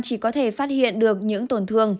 chỉ có thể phát hiện được những tổn thương